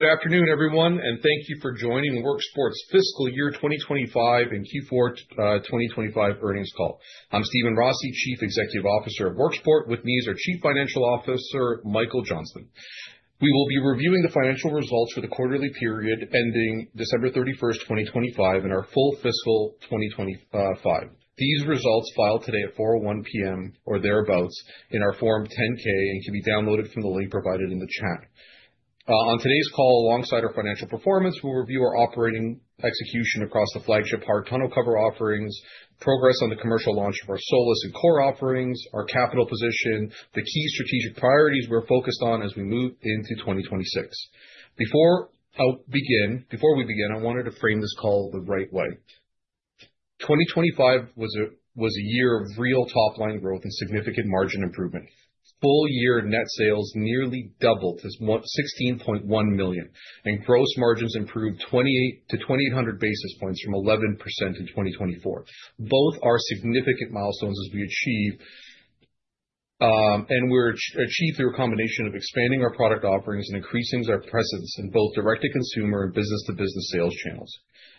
Good afternoon, everyone, and thank you for joining Worksport's Fiscal Year 2025 and Q4 2025 earnings call. I'm Steven Rossi, Chief Executive Officer of Worksport. With me is our Chief Financial Officer, Michael Johnston. We will be reviewing the financial results for the quarterly period ending December 31, 2025, and our full fiscal 2025. These results, filed today at 4:01 P.M. or thereabouts in our Form 10-K, can be downloaded from the link provided in the chat. On today's call, alongside our financial performance, we'll review our operating execution across the flagship hard tonneau cover offerings, progress on the commercial launch of our SOLIS and COR offerings, our capital position, the key strategic priorities we're focused on as we move into 2026. Before we begin, I wanted to frame this call the right way. 2025 was a year of real Top-Line growth and significant margin improvement. Full year net sales nearly doubled to $616.1 million, and gross margins improved 2,800 basis points from 11% in 2024. Both are significant milestones as we achieved through a combination of expanding our product offerings and increasing our presence in both Direct-To-Consumer and Business-To-Business sales channels.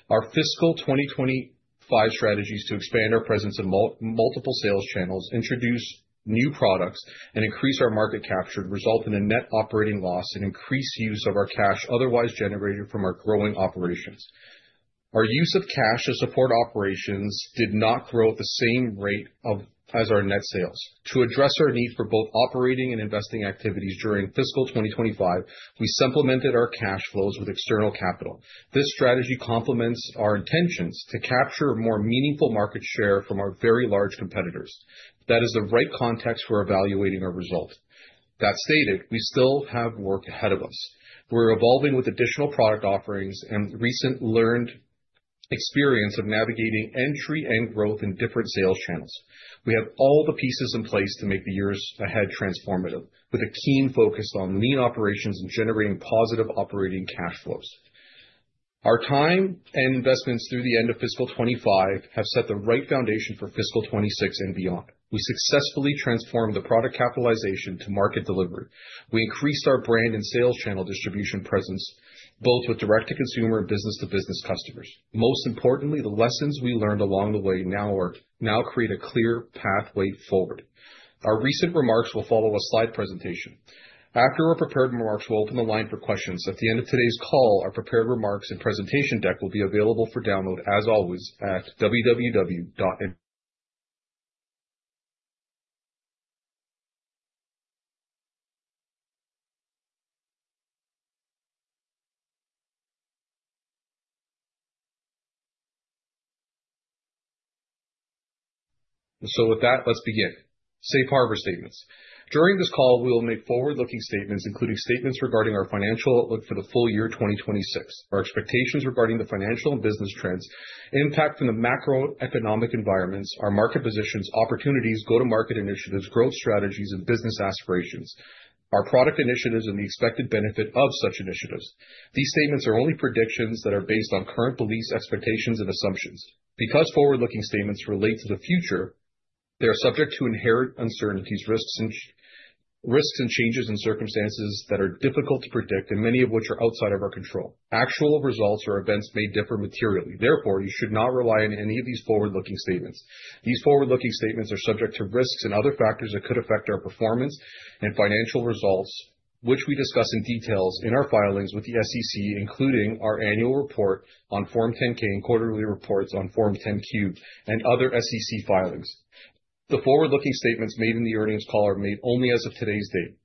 Our fiscal 2025 strategies to expand our presence in multiple sales channels, introduce new products, and increase our market capture result in a net operating loss and increased use of our cash otherwise generated from our growing operations. Our use of cash to support operations did not grow at the same rate as our net sales. To address our need for both operating and investing activities during fiscal 2025, we supplemented our cash flows with external capital. This strategy complements our intentions to capture more meaningful market share from our very large competitors. That is the right context for evaluating our results. That stated, we still have work ahead of us. We're evolving with additional product offerings and recent learned experience of navigating entry and growth in different sales channels. We have all the pieces in place to make the years ahead transformative, with a keen focus on lean operations and generating positive operating cash flows. Our time and investments through the end of fiscal 2025 have set the right foundation for fiscal 2026 and beyond. We successfully transformed the product capitalization to market delivery. We increased our brand and sales channel distribution presence, both with Direct-To-Consumer and Business-To-Business customers. Most importantly, the lessons we learned along the way create a clear pathway forward. Our prepared remarks will follow a slide presentation. After our prepared remarks, we'll open the line for questions. At the end of today's call, our prepared remarks and presentation deck will be available for download, as always, at www.worksport.com. With that, let's begin. Safe harbor statements. During this call, we will make Forward-Looking statements, including statements regarding our financial outlook for the full year 2026, our expectations regarding the financial and business trends, impact from the macroeconomic environments, our market positions, opportunities, Go-To-Market initiatives, growth strategies and business aspirations, our product initiatives, and the expected benefit of such initiatives. These statements are only predictions that are based on current beliefs, expectations, and assumptions. Because Forward-Looking statements relate to the future, they are subject to inherent uncertainties, risks, and changes in circumstances that are difficult to predict and many of which are outside of our control. Actual results or events may differ materially. Therefore, you should not rely on any of these Forward-Looking statements. These Forward-Looking statements are subject to risks and other factors that could affect our performance and financial results, which we discuss in details in our filings with the SEC, including our annual report on Form 10-K and quarterly reports on Form 10-Q and other SEC filings. The Forward-Looking statements made in the earnings call are made only as of today's date.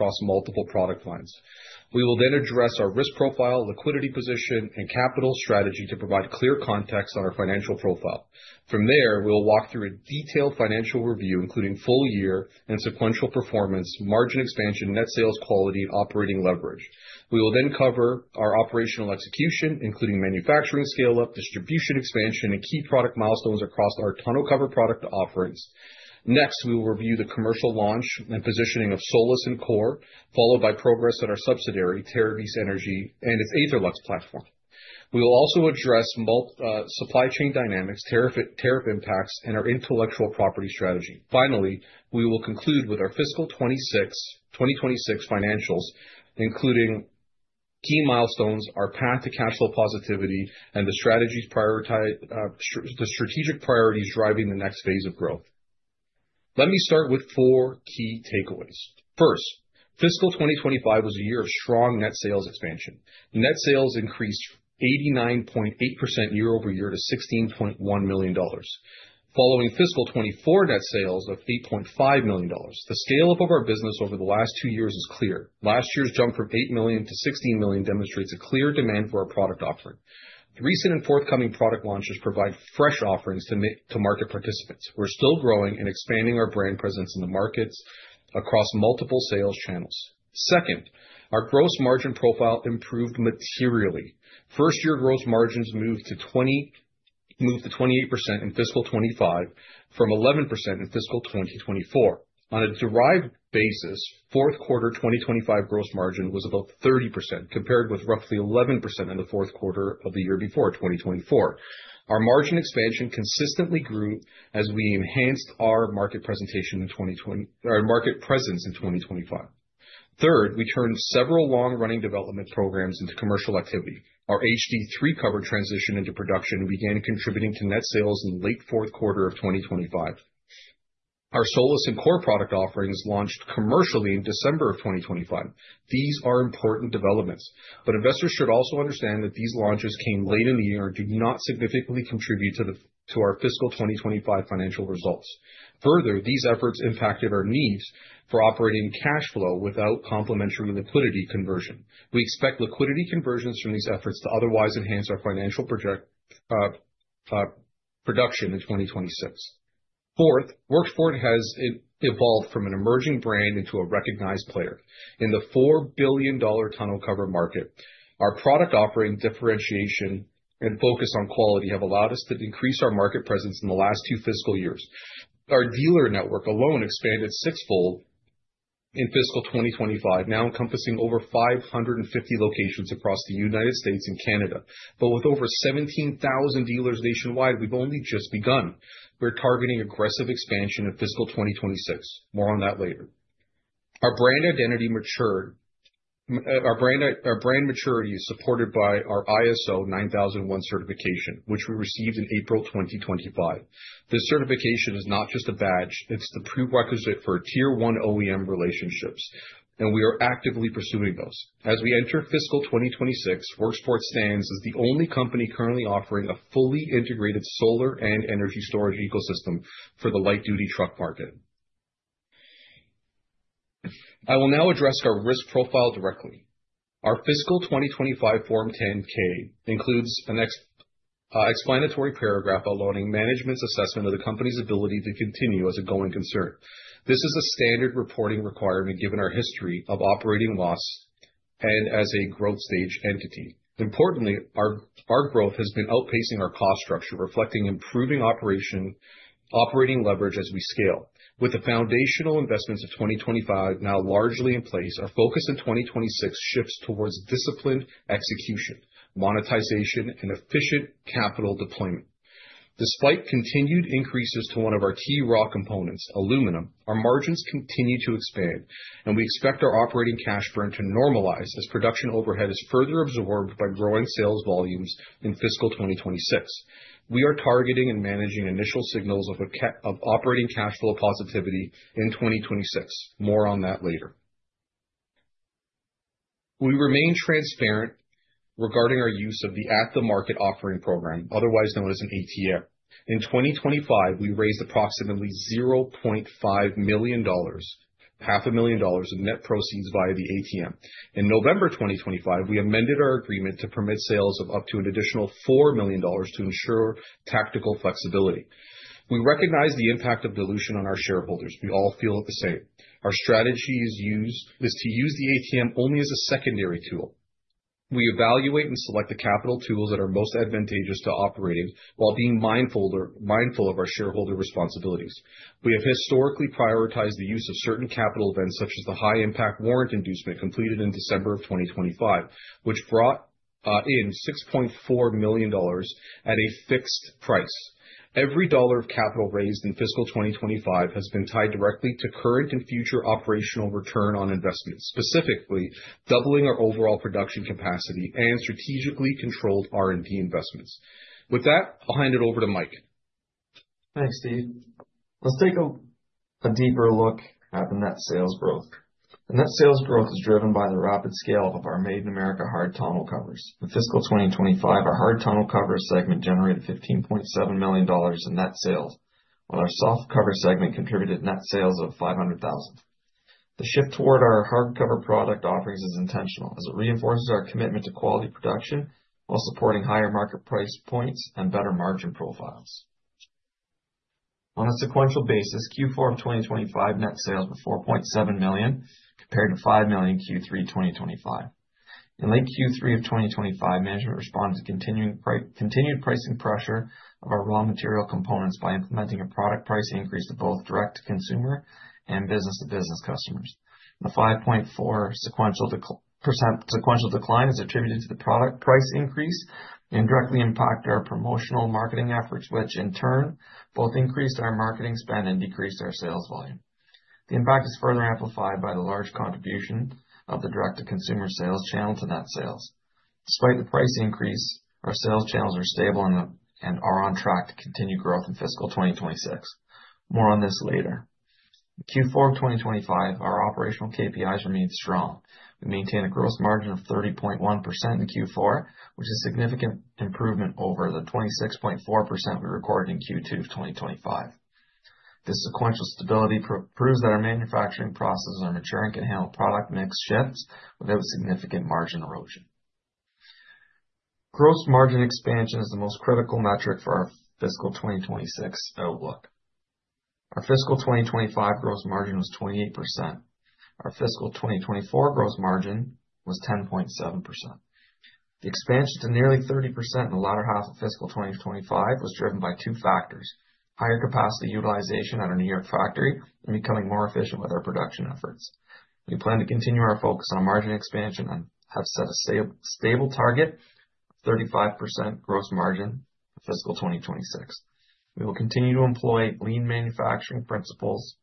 Across multiple product lines. We will then address our risk profile, liquidity position, and capital strategy to provide clear context on our financial profile. From there, we will walk through a detailed financial review, including full year and sequential performance, margin expansion, net sales quality, operating leverage. We will then cover our operational execution, including manufacturing scale-up, distribution expansion, and key product milestones across our tonneau cover product offerings. Next, we will review the commercial launch and positioning of SOLIS and COR, followed by progress at our subsidiary, Terravis Energy and its AetherLux platform. We will also address multi supply chain dynamics, tariff impacts, and our intellectual property strategy. Finally, we will conclude with our fiscal 2026 financials, including key milestones, our path to capital positivity, and the strategic priorities driving the next phase of growth. Let me start with 4 key takeaways. First, fiscal 2025 was a year of strong net sales expansion. Net sales increased 89.8% Year-Over-Year to $16.1 million, following fiscal 2024 net sales of $8.5 million. The scale of our business over the last 2 years is clear. Last year's jump from $8 million to $16 million demonstrates a clear demand for our product offering. The recent and forthcoming product launches provide fresh offerings to market participants. We're still growing and expanding our brand presence in the markets across multiple sales channels. Second, our gross margin profile improved materially. First-year gross margins moved to 28% in fiscal 2025 from 11% in fiscal 2024. On a derived basis, 4th 1/4 2025 gross margin was about 30% compared with roughly 11% in the 4th 1/4 of the year before, 2024. Our margin expansion consistently grew as we enhanced our market presence in 2025. 1/3, we turned several Long-Running development programs into commercial activity. Our HD3 cover transition into production began contributing to net sales in late 4th 1/4 of 2025. Our SOLIS and COR product offerings launched commercially in December of 2025. These are important developments, but investors should also understand that these launches came late in the year and did not significantly contribute to our fiscal 2025 financial results. Further, these efforts impacted our needs for operating cash flow without complementary liquidity conversion. We expect liquidity conversions from these efforts to otherwise enhance our financial production in 2026. Fourth, Worksport has evolved from an emerging brand into a recognized player. In the $4 billion tonneau cover market, our product offering differentiation and focus on quality have allowed us to increase our market presence in the last 2 fiscal years. Our dealer network alone expanded 6-fold in fiscal 2025, now encompassing over 550 locations across the United States and Canada. With over 17,000 dealers nationwide, we've only just begun. We're targeting aggressive expansion in fiscal 2026. More on that later. Our brand identity matured. Our brand maturity is supported by our ISO 9001 certification, which we received in April 2025. This certification is not just a badge, it's the prerequisite for tier one OEM relationships, and we are actively pursuing those. As we enter fiscal 2026, Worksport stands as the only company currently offering a fully integrated solar and energy storage ecosystem for the light-duty truck market. I will now address our risk profile directly. Our fiscal 2025 Form 10-K includes an explanatory paragraph outlining management's assessment of the company's ability to continue as a going concern. This is a standard reporting requirement given our history of operating loss and as a growth stage entity. Importantly, our growth has been outpacing our cost structure, reflecting improving operating leverage as we scale. With the foundational investments of 2025 now largely in place, our focus in 2026 shifts towards disciplined execution, monetization, and efficient capital deployment. Despite continued increases to one of our key raw components, aluminum, our margins continue to expand, and we expect our operating cash burn to normalize as production overhead is further absorbed by growing sales volumes in fiscal 2026. We are targeting and managing initial signals of operating cash flow positivity in 2026. More on that later. We remain transparent regarding our use of the At-The-Market offering program, otherwise known as an ATM. In 2025, we raised approximately $0.5 million, 1/2 a million dollars, in net proceeds via the ATM. In November 2025, we amended our agreement to permit sales of up to an additional $4 million to ensure tactical flexibility. We recognize the impact of dilution on our shareholders. We all feel it the same. Our strategy is to use the ATM only as a secondary tool. We evaluate and select the capital tools that are most advantageous to operating while being mindful of our shareholder responsibilities. We have historically prioritized the use of certain capital events, such as the high impact warrant inducement completed in December of 2025, which brought in $6.4 million at a fixed price. Every dollar of capital raised in fiscal 2025 has been tied directly to current and future operational return on investment, specifically doubling our overall production capacity and strategically controlled R&D investments. With that, I'll hand it over to Michael. Thanks, Steven. Let's take a deeper look at the net sales growth. Net sales growth is driven by the rapid scale of our Made in America hard tonneau covers. In fiscal 2025, our hard tonneau covers segment generated $15.7 million in net sales, while our softcover segment contributed net sales of $500,000. The shift toward our hardcover product offerings is intentional as it reinforces our commitment to quality production while supporting higher market price points and better margin profiles. On a sequential basis, Q4 of 2025 net sales were $4.7 million compared to $5 million Q3 2025. In late Q3 of 2025, management responded to continued pricing pressure of our raw material components by implementing a product price increase to both direct consumer and Business-To-Business customers. The 5.4% sequential decline is attributed to the product price increase and directly impact our promotional marketing efforts, which in turn both increased our marketing spend and decreased our sales volume. The impact is further amplified by the large contribution of the Direct-To-Consumer sales channel to net sales. Despite the price increase, our sales channels are stable and are on track to continue growth in fiscal 2026. More on this later. In Q4 of 2025, our operational KPIs remained strong. We maintained a gross margin of 30.1% in Q4, which is a significant improvement over the 26.4% we recorded in Q2 of 2025. This sequential stability proves that our manufacturing processes are maturing and can handle product mix shifts without significant margin erosion. Gross margin expansion is the most critical metric for our fiscal 2026 outlook. Our fiscal 2025 gross margin was 28%. Our fiscal 2024 gross margin was 10.7%. The expansion to nearly 30% in the latter 1/2 of fiscal 2025 was driven by 2 factors, higher capacity utilization at our New York factory and becoming more efficient with our production efforts. We plan to continue our focus on margin expansion and have set a stable target of 35% gross margin for fiscal 2026. We will continue to employ lean manufacturing principles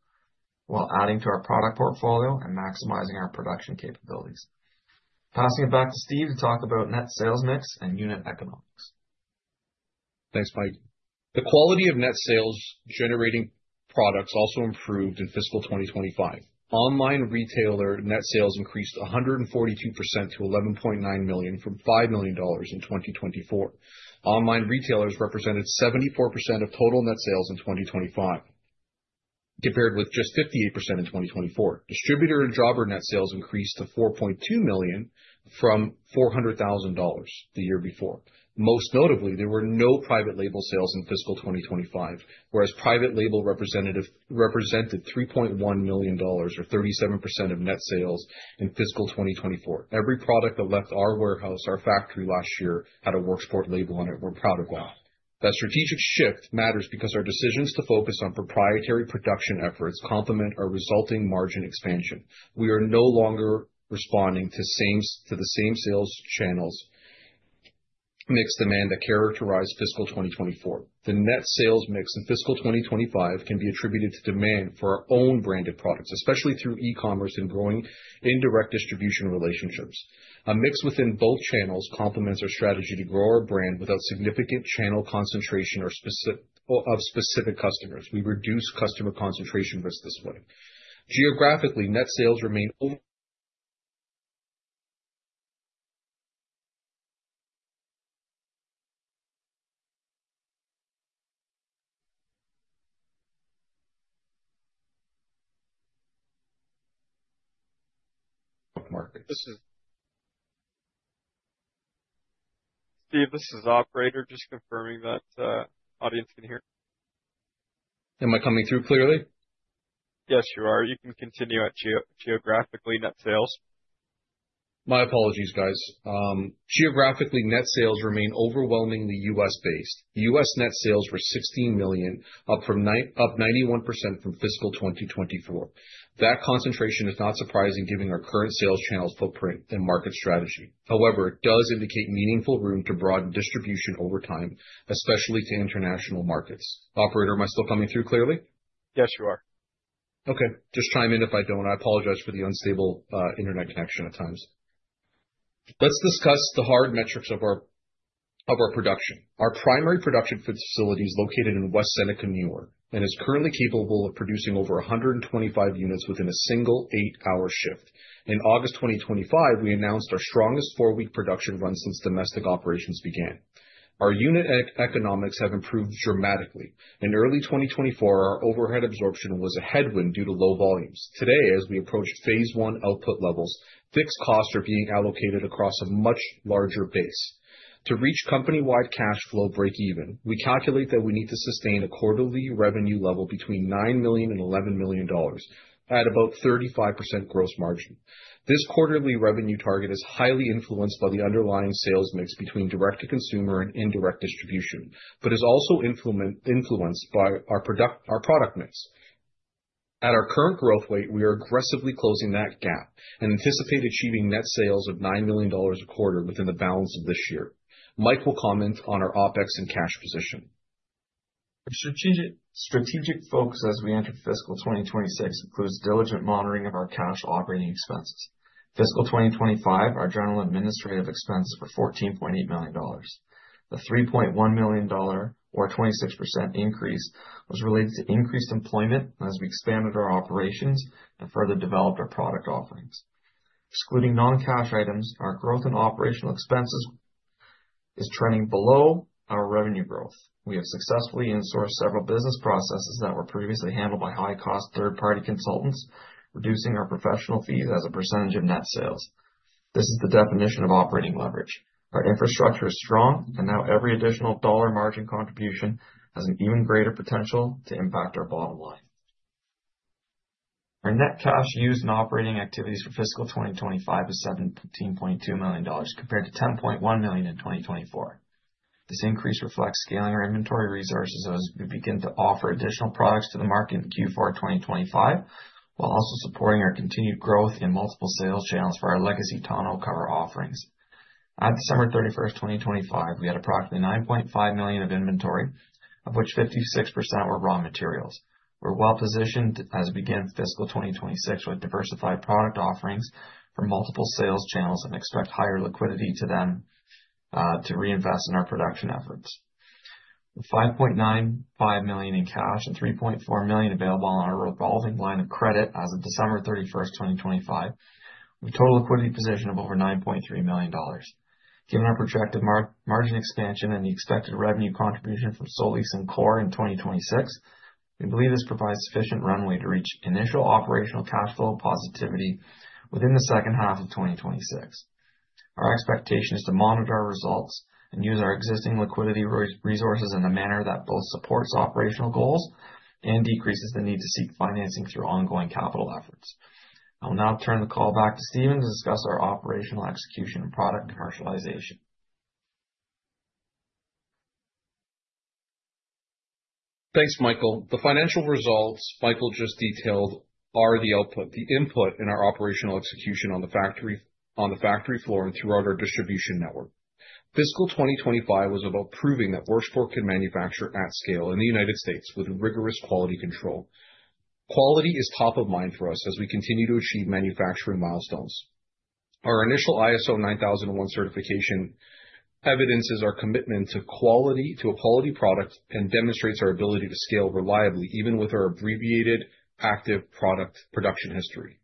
while adding to our product portfolio and maximizing our production capabilities. Passing it back to Steven to talk about net sales mix and unit economics. Thanks, Michael. The quality of net sales generating products also improved in fiscal 2025. Online retailer net sales increased 142% to $11.9 million from $5 million in 2024. Online retailers represented 74% of total net sales in 2025, compared with just 58% in 2024. Distributor and jobber net sales increased to $4.2 million from $400,000 the year before. Most notably, there were no private label sales in fiscal 2025, whereas private label revenue represented $3.1 million or 37% of net sales in fiscal 2024. Every product that left our warehouse, our factory last year had a Worksport label on it. We're proud of that. That strategic shift matters because our decisions to focus on proprietary production efforts complement our resulting margin expansion. We are no longer responding to the same sales channels mix demand that characterized fiscal 2024. The net sales mix in fiscal 2025 can be attributed to demand for our own branded products, especially through E-Commerce and growing indirect distribution relationships. A mix within both channels complements our strategy to grow our brand without significant channel concentration or specific customers. We reduce customer concentration risk this way. Geographically, net sales remain over markets. Steven, this is the operator. Just confirming that the audience can hear. Am I coming through clearly? Yes, you are. You can continue at geographically net sales. My apologies, guys. Geographically, net sales remain overwhelmingly U.S.-based. The U.S. net sales were $16 million, up 91% from fiscal 2024. That concentration is not surprising given our current sales channels footprint and market strategy. However, it does indicate meaningful room to broaden distribution over time, especially to international markets. Operator, am I still coming through clearly? Yes, you are. Okay. Just chime in if I don't. I apologize for the unstable internet connection at times. Let's discuss the hard metrics of our production. Our primary production facility is located in West Seneca, New York, and is currently capable of producing over 125 units within a single 8-hour shift. In August 2025, we announced our strongest 4-week production run since domestic operations began. Our unit economics have improved dramatically. In early 2024, our overhead absorption was a headwind due to low volumes. Today, as we approach phase one output levels, fixed costs are being allocated across a much larger base. To reach Company-Wide cash flow break even, we calculate that we need to sustain a quarterly revenue level between $9 million and $11 million at about 35% gross margin. This quarterly revenue target is highly influenced by the underlying sales mix between Direct-To-Consumer and indirect distribution, but is also influenced by our product mix. At our current growth rate, we are aggressively closing that gap and anticipate achieving net sales of $9 million a 1/4 within the balance of this year. Michael will comment on our OpEx and cash position. Our strategic focus as we enter fiscal 2026 includes diligent monitoring of our cash operating expenses. Fiscal 2025, our general administrative expenses were $14.8 million. The $3.1 million or 26% increase was related to increased employment as we expanded our operations and further developed our product offerings. Excluding Non-cash items, our growth in operational expenses is trending below our revenue growth. We have successfully insourced several business processes that were previously handled by high-cost 1/3-party consultants, reducing our professional fees as a percentage of net sales. This is the definition of operating leverage. Our infrastructure is strong, and now every additional dollar margin contribution has an even greater potential to impact our bottom line. Our net cash used in operating activities for fiscal 2025 is $17.2 million compared to $10.1 million in 2024. This increase reflects scaling our inventory resources as we begin to offer additional products to the market in Q4 2025, while also supporting our continued growth in multiple sales channels for our legacy tonneau cover offerings. On December 31, 2025, we had approximately $9.5 million of inventory, of which 56% were raw materials. We're well-positioned as we begin fiscal 2026 with diversified product offerings from multiple sales channels and expect higher liquidity to then to reinvest in our production efforts. With $5.95 million in cash and $3.4 million available on our revolving line of credit as of December 31, 2025, with total liquidity position of over $9.3 million. Given our projected mar-margin expansion and the expected revenue contribution from SOLIS and COR in 2026, we believe this provides sufficient runway to reach initial operational cash flow positivity within the second 1/2 of 2026. Our expectation is to monitor our results and use our existing liquidity resources in a manner that both supports operational goals and decreases the need to seek financing through ongoing capital efforts. I will now turn the call back to Steven to discuss our operational execution and product commercialization. Thanks, Michael. The financial results Michael just detailed are the output, the input in our operational execution on the factory, on the factory floor and throughout our distribution network. Fiscal 2025 was about proving that Worksport can manufacture at scale in the United States with rigorous quality control. Quality is top of mind for us as we continue to achieve manufacturing milestones. Our initial ISO 9001 certification evidences our commitment to quality, to a quality product, and demonstrates our ability to scale reliably even with our abbreviated active product production history.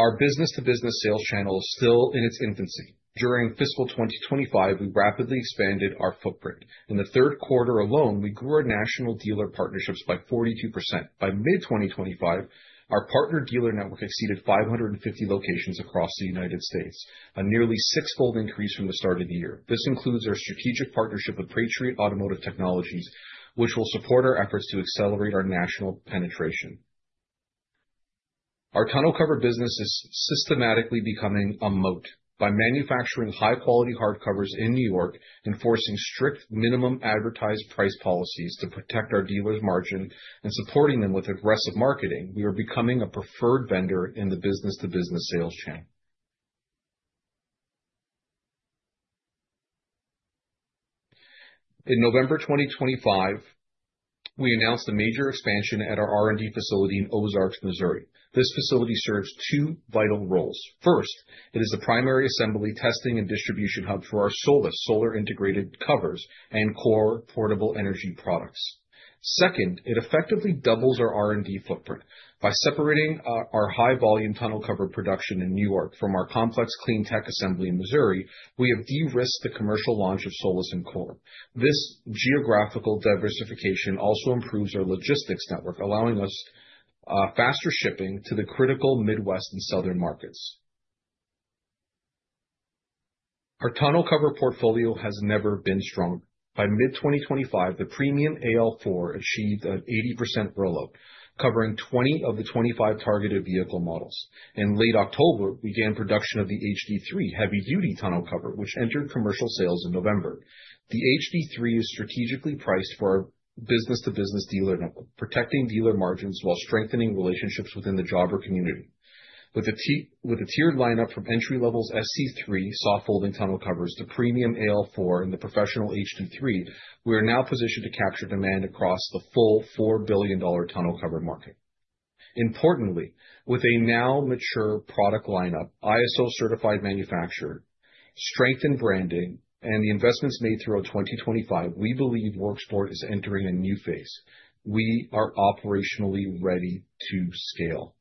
Our Business-To-Business sales channel is still in its infancy. During fiscal 2025, we rapidly expanded our footprint. In the 1/3 1/4 alone, we grew our national dealer partnerships by 42%. By mid 2025, our partner dealer network exceeded 550 locations across the United States, a nearly 6-fold increase from the start of the year. This includes our strategic partnership with Patriot Automotive Technologies, which will support our efforts to accelerate our national penetration. Our tonneau cover business is systematically becoming a moat. By manufacturing high-quality hard covers in New York, enforcing strict minimum advertised price policies to protect our dealers' margin and supporting them with aggressive marketing, we are becoming a preferred vendor in the Business-To-Business sales chain. In November 2025, we announced a major expansion at our R&D facility in Ozarks, Missouri. This facility serves 2 vital roles. First, it is the primary assembly testing and distribution hub for our SOLIS solar integrated covers and COR portable energy products. Second, it effectively doubles our R&D footprint. By separating our high volume tonneau cover production in New York from our complex clean tech assembly in Missouri, we have de-risked the commercial launch of SOLIS and COR. This geographical diversification also improves our logistics network, allowing us faster shipping to the critical Midwest and Southern markets. Our tonneau cover portfolio has never been stronger. By mid-2025, the premium AL4 achieved an 80% roll up, covering 20 of the 25 targeted vehicle models. In late October, we began production of the HD3 heavy-duty tonneau cover, which entered commercial sales in November. The HD3 is strategically priced for our Business-To-Business dealer network, protecting dealer margins while strengthening relationships within the jobber community. With the tiered lineup from entry-level SC3 soft-folding tonneau covers to premium AL4 and the professional HD3, we are now positioned to capture demand across the full $4 billion tonneau cover market. Importantly, with a now mature product lineup, ISO-certified manufacturer, strengthened branding, and the investments made throughout 2025, we believe Worksport is entering a new phase. We are operationally ready to scale.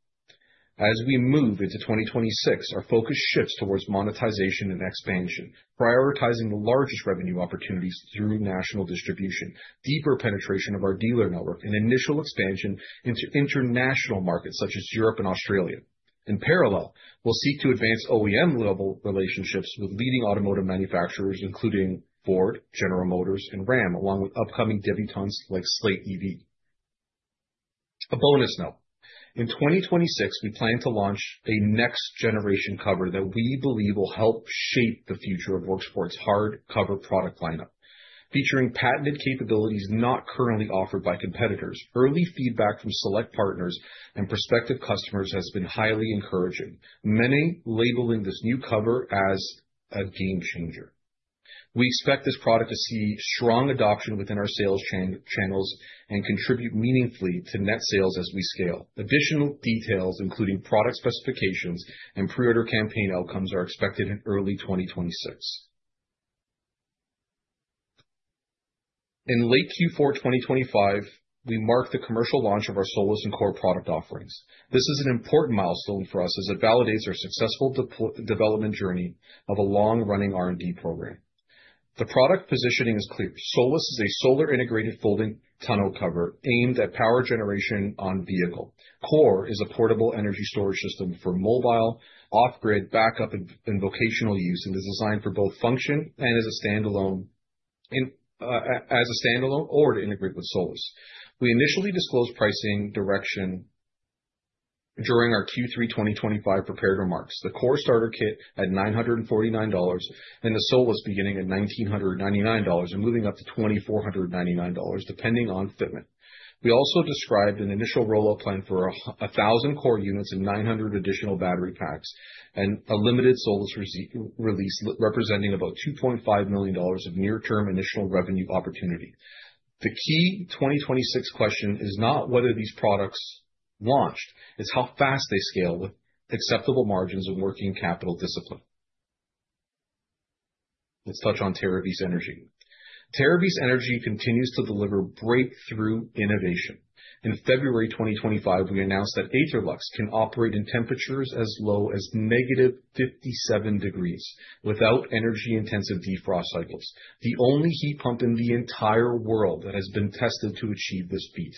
As we move into 2026, our focus shifts towards monetization and expansion, prioritizing the largest revenue opportunities through national distribution, deeper penetration of our dealer network, and initial expansion into international markets such as Europe and Australia. In parallel, we'll seek to advance OEM-level relationships with leading automotive manufacturers, including Ford, General Motors, and Ram, along with upcoming debutantes like Slate Auto. A bonus note. In 2026, we plan to launch a next-generation cover that we believe will help shape the future of Worksport's hard cover product lineup, featuring patented capabilities not currently offered by competitors. Early feedback from select partners and prospective customers has been highly encouraging, many labeling this new cover as a game changer. We expect this product to see strong adoption within our sales channels and contribute meaningfully to net sales as we scale. Additional details, including product specifications and Pre-order campaign outcomes, are expected in early 2026. In late Q4 2025, we marked the commercial launch of our SOLIS and COR product offerings. This is an important milestone for us as it validates our successful development journey of a Long-Running R&D program. The product positioning is clear. SOLIS is a solar integrated folding tonneau cover aimed at power generation on vehicle. COR is a portable energy storage system for mobile off-grid backup and vocational use, and is designed for both function and as a standalone or to integrate with SOLIS. We initially disclosed pricing direction during our Q3 2025 prepared remarks. The COR starter kit at $949 and the SOLIS beginning at $1,999-$2,499 depending on fitment. We also described an initial rollout plan for 1,000 COR units and 900 additional battery packs, and a limited SOLIS release representing about $2.5 million of near-term initial revenue opportunity. The key 2026 question is not whether these products launched, it's how fast they scale with acceptable margins and working capital discipline. Let's touch on Terravis Energy. Terravis Energy continues to deliver breakthrough innovation. In February 2025, we announced that AetherLux can operate in temperatures as low as -57 degrees without energy-intensive defrost cycles. The only heat pump in the entire world that has been tested to achieve this feat.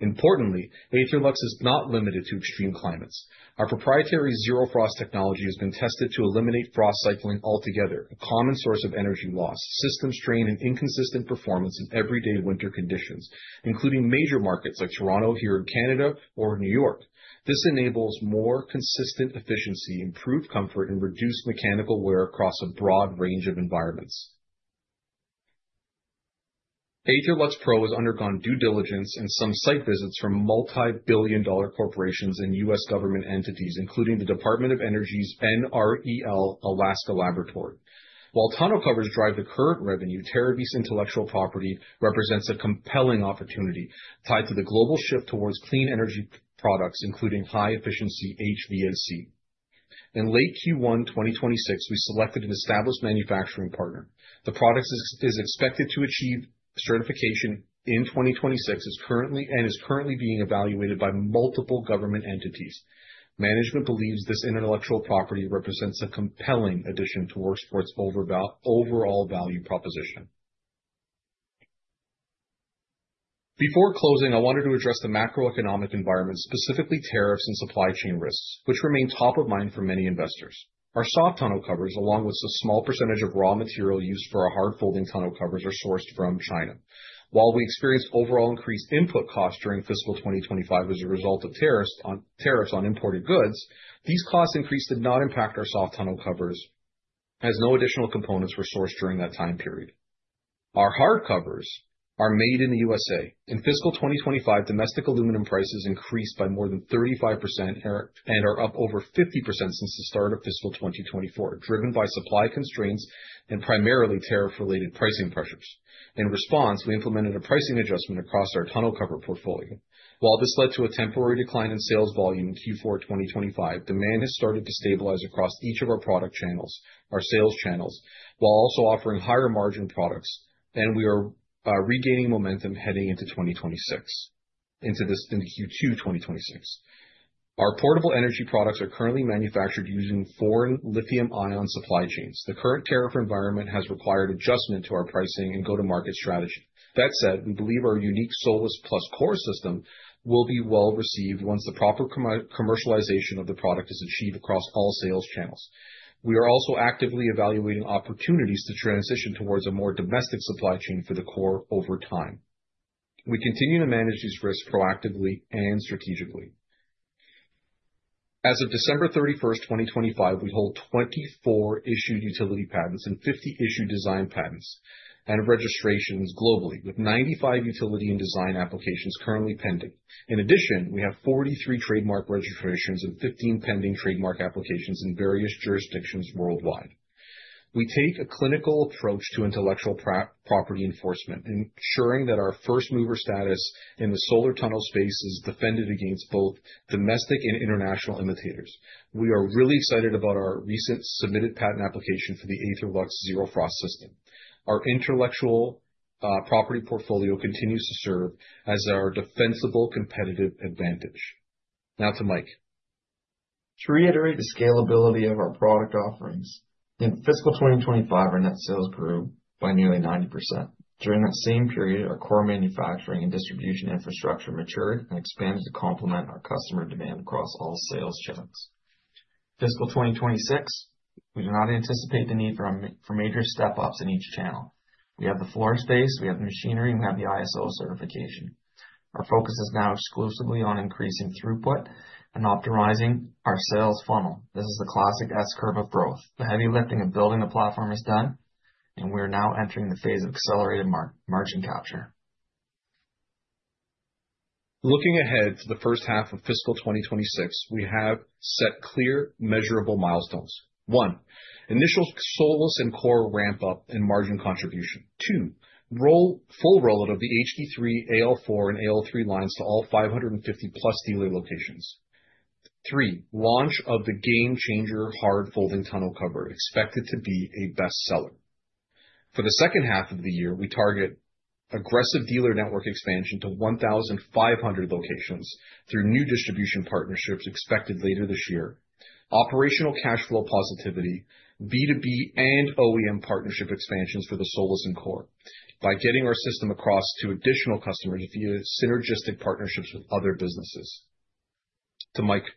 Importantly, AetherLux is not limited to extreme climates. Our proprietary ZeroFrost technology has been tested to eliminate frost cycling altogether, a common source of energy loss, system strain, and inconsistent performance in everyday winter conditions, including major markets like Toronto, here in Canada, or New York. This enables more consistent efficiency, improved comfort, and reduced mechanical wear across a broad range of environments. AetherLux Pro has undergone due diligence and some site visits from multi-billion-dollar corporations and U.S. government entities, including the Department of Energy's NREL Alaska laboratory. While tonneau covers drive the current revenue, Terravis intellectual property represents a compelling opportunity tied to the global shift towards clean energy products, including high efficiency HVAC. In late Q1 2026, we selected an established manufacturing partner. The product is expected to achieve certification in 2026 and is currently being evaluated by multiple government entities. Management believes this intellectual property represents a compelling addition to Worksport's overall value proposition. Before closing, I wanted to address the macroeconomic environment, specifically tariffs and supply chain risks, which remain top of mind for many investors. Our soft tonneau covers, along with a small percentage of raw material used for our hard-folding tonneau covers, are sourced from China. While we experienced overall increased input costs during fiscal 2025 as a result of tariffs on imported goods, these cost increases did not impact our soft tonneau covers, as no additional components were sourced during that time period. Our hard covers are made in the USA. In fiscal 2025, domestic aluminum prices increased by more than 35%, and are up over 50% since the start of fiscal 2024, driven by supply constraints and primarily tariff-related pricing pressures. In response, we implemented a pricing adjustment across our tonneau cover portfolio. While this led to a temporary decline in sales volume in Q4 2025, demand has started to stabilize across each of our product channels, our sales channels, while also offering higher margin products. We are regaining momentum heading into 2026, into Q2 2026. Our portable energy products are currently manufactured using foreign lithium-ion supply chains. The current tariff environment has required adjustment to our pricing and Go-To-Market strategy. That said, we believe our unique Solis Plus Core system will be well received once the proper commercialization of the product is achieved across all sales channels. We are also actively evaluating opportunities to transition towards a more domestic supply chain for the Core over time. We continue to manage these risks proactively and strategically. As of December 31, 2025, we hold 24 issued utility patents and 50 issued design patents and registrations globally, with 95 utility and design applications currently pending. In addition, we have 43 trademark registrations and 15 pending trademark applications in various jurisdictions worldwide. We take a clinical approach to intellectual property enforcement, ensuring that our first-mover status in the solar tonneau space is defended against both domestic and international imitators. We are really excited about our recently submitted patent application for the AetherLux ZeroFrost system. Our intellectual property portfolio continues to serve as our defensible competitive advantage. Now to Michael. To reiterate the scalability of our product offerings, in fiscal 2025, our net sales grew by nearly 90%. During that same period, our core manufacturing and distribution infrastructure matured and expanded to complement our customer demand across all sales channels. Fiscal 2026, we do not anticipate the need for major step-ups in each channel. We have the floor space, we have the machinery, and we have the ISO certification. Our focus is now exclusively on increasing throughput and optimizing our sales funnel. This is the classic S-curve of growth. The heavy lifting of building a platform is done, and we are now entering the phase of accelerated margin capture. Looking ahead to the first 1/2 of fiscal 2026, we have set clear measurable milestones. One, initial SOLIS and COR ramp up in margin contribution. Two, full roll out of the HD3, AL4, and AL3 lines to all 550+ dealer locations. Three, launch of the game changer hard-folding tonneau cover, expected to be a best seller. For the second 1/2 of the year, we target aggressive dealer network expansion to 1,500 locations through new distribution partnerships expected later this year. Operational cash flow positivity, B2B and OEM partnership expansions for the SOLIS and COR by getting our system across to additional customers through synergistic partnerships with other businesses. To Michael.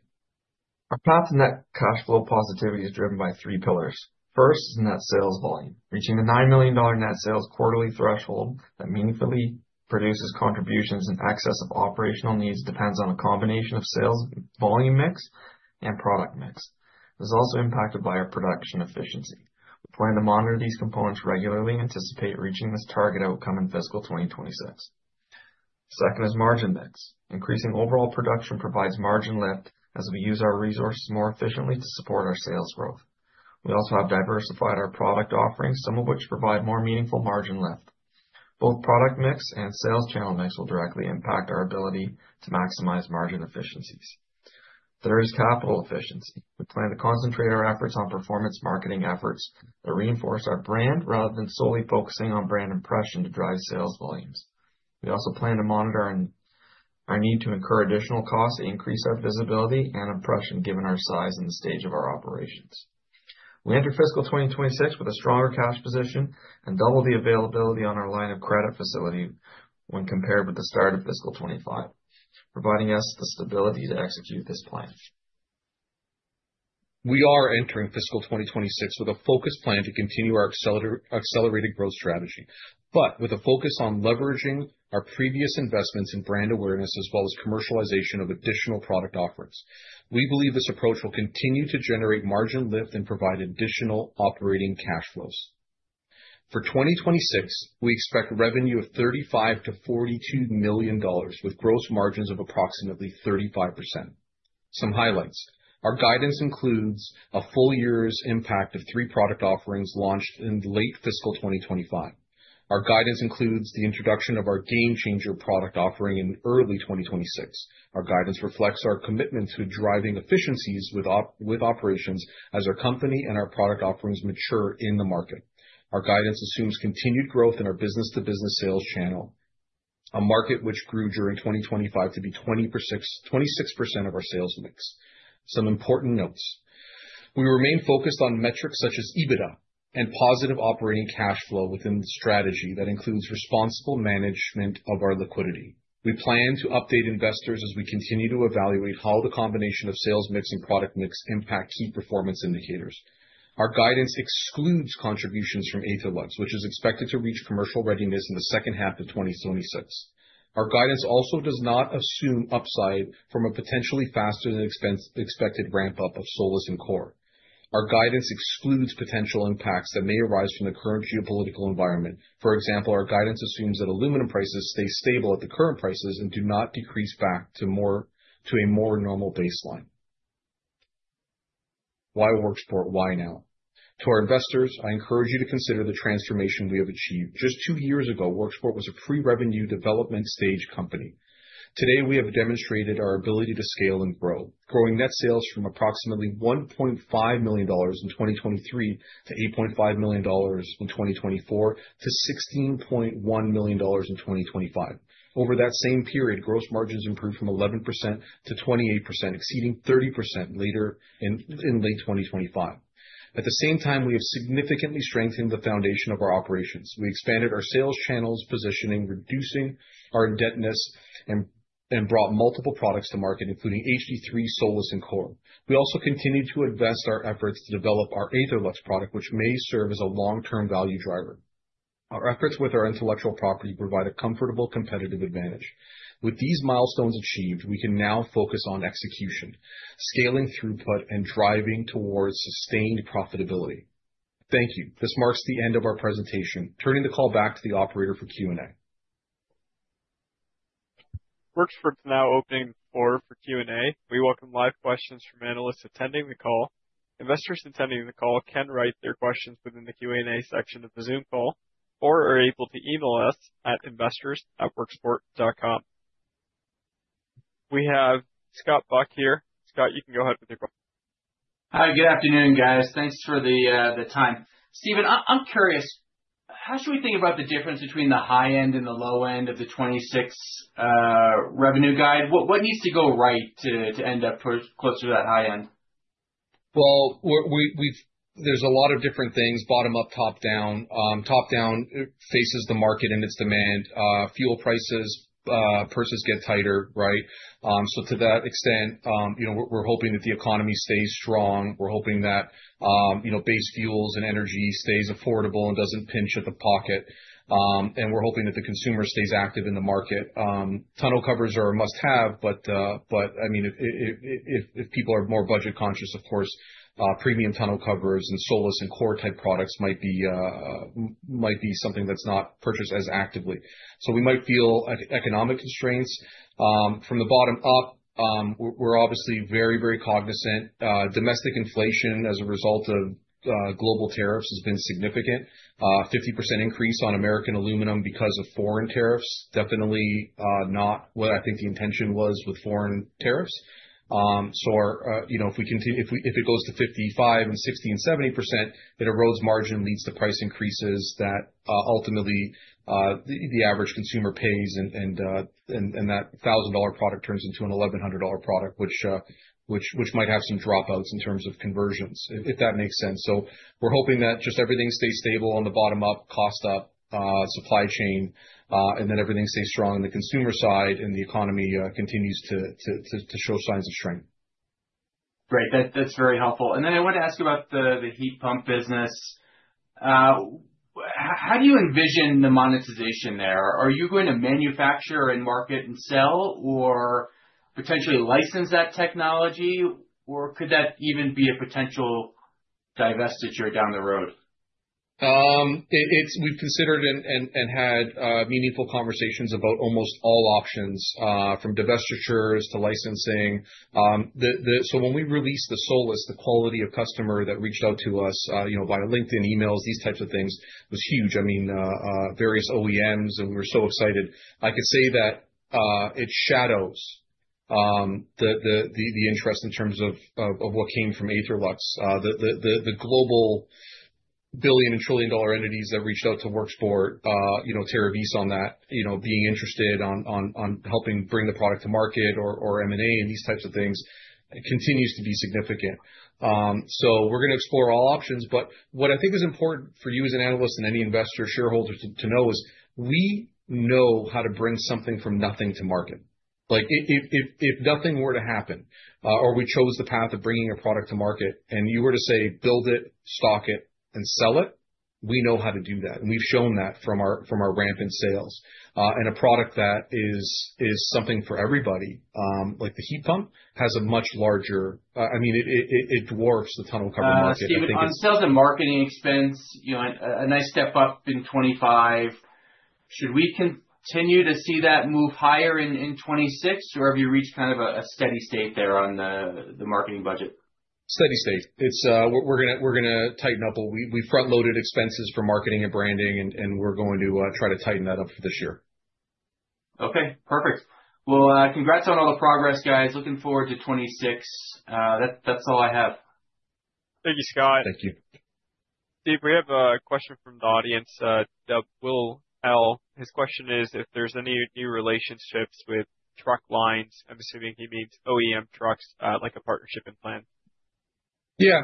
Our path to net cash flow positivity is driven by 3 pillars. First is net sales volume. Reaching the $9 million net sales quarterly threshold that meaningfully produces contributions in excess of operational needs depends on a combination of sales volume mix and product mix. It is also impacted by our production efficiency. We plan to monitor these components regularly and anticipate reaching this target outcome in fiscal 2026. Second is margin mix. Increasing overall production provides margin lift as we use our resources more efficiently to support our sales growth. We also have diversified our product offerings, some of which provide more meaningful margin lift. Both product mix and sales channel mix will directly impact our ability to maximize margin efficiencies. There is capital efficiency. We plan to concentrate our efforts on performance marketing efforts that reinforce our brand rather than solely focusing on brand impression to drive sales volumes. We also plan to monitor our need to incur additional costs to increase our visibility and impression given our size and the stage of our operations. We enter fiscal 2026 with a stronger cash position and double the availability on our line of credit facility when compared with the start of fiscal 2025, providing us the stability to execute this plan. We are entering fiscal 2026 with a focused plan to continue our accelerated growth strategy, but with a focus on leveraging our previous investments in brand awareness as well as commercialization of additional product offerings. We believe this approach will continue to generate margin lift and provide additional operating cash flows. For 2026, we expect revenue of $35 million-$42 million with gross margins of approximately 35%. Some highlights. Our guidance includes a full year's impact of 3 product offerings launched in late fiscal 2025. Our guidance includes the introduction of our game-changer product offering in early 2026. Our guidance reflects our commitment to driving efficiencies with operations as our company and our product offerings mature in the market. Our guidance assumes continued growth in our Business-To-Business sales channel, a market which grew during 2025 to be 20%, 26% of our sales mix. Some important notes. We remain focused on metrics such as EBITDA and positive operating cash flow within the strategy that includes responsible management of our liquidity. We plan to update investors as we continue to evaluate how the combination of sales mix and product mix impact key performance indicators. Our guidance excludes contributions from AetherLux, which is expected to reach commercial readiness in the second 1/2 of 2026. Our guidance also does not assume upside from a potentially faster than expected ramp-up of SOLIS and COR. Our guidance excludes potential impacts that may arise from the current geopolitical environment. For example, our guidance assumes that aluminum prices stay stable at the current prices and do not decrease back to a more normal baseline. Why Worksport? Why now? To our investors, I encourage you to consider the transformation we have achieved. Just 2 years ago, Worksport was a Pre-revenue development stage company. Today, we have demonstrated our ability to scale and grow, growing net sales from approximately $1.5 million in 2023 to $8.5 million in 2024 to $16.1 million in 2025. Over that same period, gross margins improved from 11% to 28%, exceeding 30% later in late 2025. At the same time, we have significantly strengthened the foundation of our operations. We expanded our sales channels positioning, reducing our indebtedness and brought multiple products to market, including HD3, SOLIS and COR. We also continued to invest our efforts to develop our AetherLux product, which may serve as a Long-Term value driver. Our efforts with our intellectual property provide a comfortable competitive advantage. With these milestones achieved, we can now focus on execution, scaling throughput and driving towards sustained profitability. Thank you. This marks the end of our presentation, turning the call back to the operator for Q&A. Worksport is now opening the floor for Q&A. We welcome live questions from analysts attending the call. Investors attending the call can write their questions within the Q&A section of the Zoom call or are able to email us at investors@worksport.com. We have Scott Buck here. Scott, you can go ahead with your question. Hi, good afternoon, guys. Thanks for the time. Steven, I'm curious, how should we think about the difference between the high end and the low end of the 26 revenue guide? What needs to go right to end up closer to that high end? Well, there's a lot of different things, bottom up, top down. Top down factors the market and its demand, fuel prices, purses get tighter, right? To that extent, you know, we're hoping that the economy stays strong. We're hoping that you know, base fuels and energy stays affordable and doesn't pinch at the pocket. We're hoping that the consumer stays active in the market. Tonneau covers are a must-have, but I mean, if people are more budget conscious, of course, premium tonneau covers and SOLIS and COR type products might be something that's not purchased as actively. We might feel economic constraints. From the bottom up, we're obviously very cognizant. Domestic inflation as a result of global tariffs has been significant. 50% increase on American aluminum because of foreign tariffs. Definitely not what I think the intention was with foreign tariffs. Our, you know, if we continue, if it goes to 55%, 60% and 70%, it erodes margin, leads to price increases that ultimately the average consumer pays and that $1,000 product turns into an $1,100 product, which might have some dropouts in terms of conversions, if that makes sense. We're hoping that just everything stays stable from the bottom up, costs up, supply chain and then everything stays strong on the consumer side and the economy continues to show signs of strength. Great. That's very helpful. I wanted to ask about the heat pump business. How do you envision the monetization there? Are you going to manufacture and market and sell or potentially license that technology? Or could that even be a potential divestiture down the road? We've considered and had meaningful conversations about almost all options, from divestitures to licensing. When we released the SOLIS, the quality of customer that reached out to us, you know, via LinkedIn, emails, these types of things, was huge. I mean, various OEMs, and we're so excited. I can say that it overshadows the interest in terms of what came from AetherLux, the global billion and trillion dollar entities that reached out to Worksport, you know, Terravis on that, you know, being interested on helping bring the product to market or M&A and these types of things continues to be significant. We're gonna explore all options, but what I think is important for you as an analyst and any investor shareholder to know is we know how to bring something from nothing to market. Like if nothing were to happen, or we chose the path of bringing a product to market, and you were to say, build it, stock it, and sell it, we know how to do that, and we've shown that from our rampant sales. A product that is something for everybody, like the heat pump, has a much larger market. I mean, it dwarfs the tonneau cover market. Steven, on sales and marketing expense, you know, a nice step up in 2025. Should we continue to see that move higher in 2026, or have you reached kind of a steady state there on the marketing budget? Steady state. It's, we're gonna tighten up. We front-loaded expenses for marketing and branding, and we're going to try to tighten that up for this year. Okay, perfect. Well, congrats on all the progress, guys. Looking forward to 2026. That's all I have. Thank you, Scott. Thank you. Steven, we have a question from the audience, Will L. His question is if there's any new relationships with truck lines. I'm assuming he means OEM trucks, like a partnership in place. Yeah.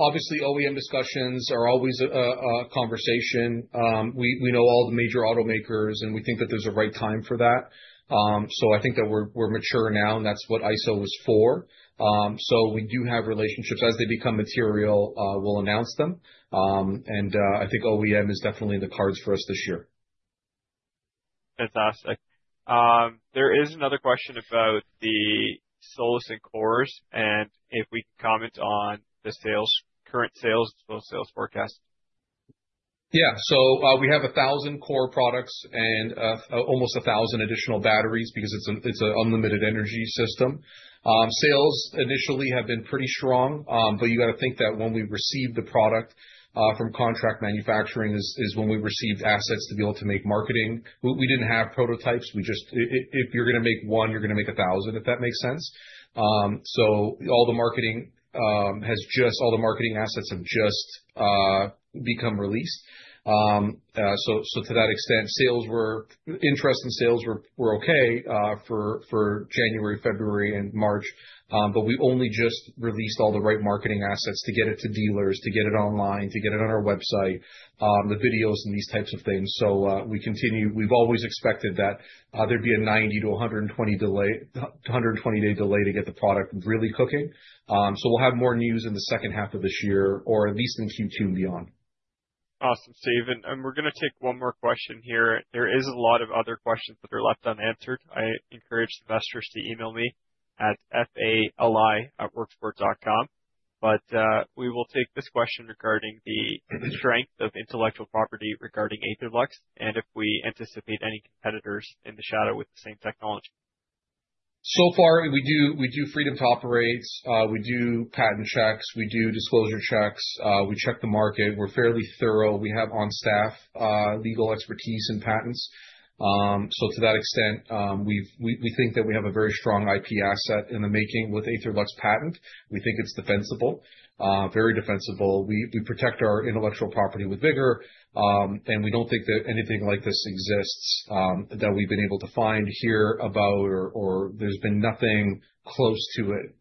Obviously OEM discussions are always a conversation. We know all the major automakers, and we think that there's a right time for that. I think that we're mature now, and that's what ISO is for. We do have relationships. As they become material, we'll announce them. I think OEM is definitely in the cards for us this year. Fantastic. There is another question about the SOLIS and COR and if we can comment on the sales, current sales, those sales forecast. We have 1,000 core products and almost 1,000 additional batteries because it's an unlimited energy system. Sales initially have been pretty strong, but you gotta think that when we received the product from contract manufacturing is when we received assets to be able to make marketing. We didn't have prototypes. We just if you're gonna make one, you're gonna make 1,000, if that makes sense. All the marketing assets have just become released. To that extent, sales were... Interest and sales were okay for January, February, and March, but we only just released all the right marketing assets to get it to dealers, to get it online, to get it on our website, the videos and these types of things. We continue. We've always expected that there'd be a 90-120-day delay to get the product really cooking. We'll have more news in the second 1/2 of this year or at least in Q2 and beyond. Awesome, Steven. We're gonna take one more question here. There is a lot of other questions that are left unanswered. I encourage investors to email me at fali@worksport.com. We will take this question regarding the strength of intellectual property regarding AetherLux, and if we anticipate any competitors in the shadow with the same technology. So far, we do Freedom to Operate. We do patent checks. We do disclosure checks. We check the market. We're fairly thorough. We have on staff legal expertise in patents. To that extent, we think that we have a very strong IP asset in the making with AetherLux patent. We think it's defensible, very defensible. We protect our intellectual property with vigor, and we don't think that anything like this exists, that we've been able to find, hear about or there's been nothing close to it.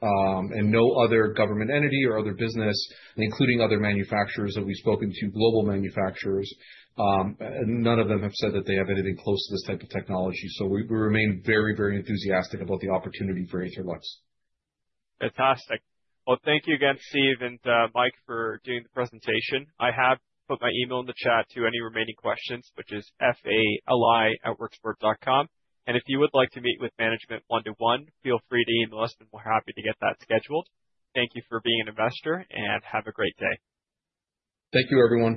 No other government entity or other business, including other manufacturers that we've spoken to, global manufacturers, none of them have said that they have anything close to this type of technology. We remain very, very enthusiastic about the opportunity for AetherLux. Fantastic. Well, thank you again, Steven and, Michael, for doing the presentation. I have put my email in the chat to any remaining questions, which is fali@worksport.com. If you would like to meet with management one to one, feel free to email us, and we're happy to get that scheduled. Thank you for being an investor, and have a great day. Thank you, everyone.